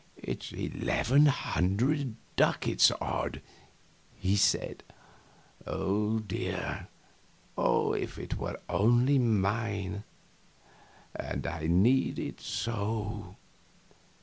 "It's eleven hundred ducats odd!" he said. "Oh dear! if it were only mine and I need it so!"